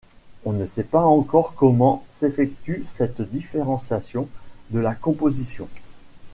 On ne sait pas encore comment s'effectue cette différenciation de la composition.